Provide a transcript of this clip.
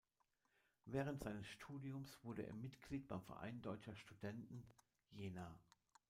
Während seines Studiums wurde er Mitglied beim "Verein Deutscher Studenten Jena".